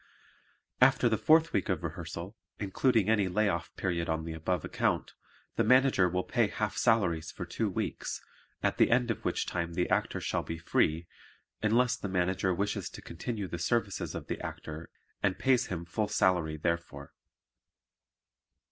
After the fourth week of rehearsal, including any lay off period on the above account, the Manager will pay half salaries for two weeks, at the end of which time the Actor shall be free, unless the Manager wishes to continue the services of the Actor and pays him full salary therefor.